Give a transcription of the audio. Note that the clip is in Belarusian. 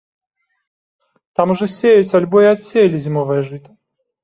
Там ужо сеюць альбо і адсеялі зімовае жыта.